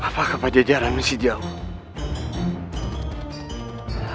apakah pada jalan mesin jauh